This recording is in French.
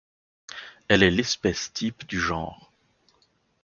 Elle est l'espèce type du genre.